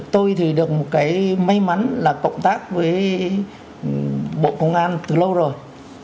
tôi thì được một cái may mắn là cộng tác với bộ công an từ lâu rồi